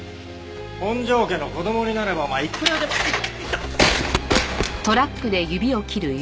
本城家の子供になればお前いくらでも。痛っ！